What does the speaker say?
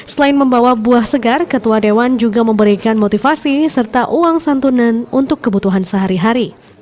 selain membawa buah segar ketua dewan juga memberikan motivasi serta uang santunan untuk kebutuhan sehari hari